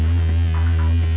kayaknya dia emang sengaja deh